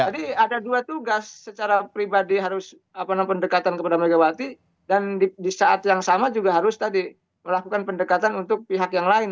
jadi ada dua tugas secara pribadi harus pendekatan kepada megawati dan di saat yang sama juga harus tadi melakukan pendekatan untuk pihak yang lain